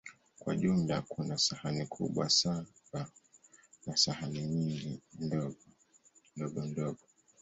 Kwa jumla, kuna sahani kubwa saba na sahani nyingi ndogondogo.